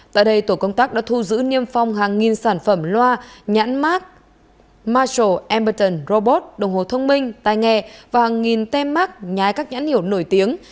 tại đây tổ công tác đã thu giữ niêm phong hàng nghìn sản phẩm loa nhãn mát marshall emberton robot đồng hồ thông minh tai nghe và hàng nghìn tem mát nhái các nhãn hiệu nổi tiếng